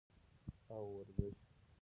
او ورزش